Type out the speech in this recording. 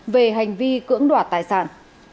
về hành vi cưỡng đoạt tài sản